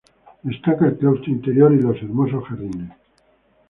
Destaca el Claustro interior y los hermosos jardines.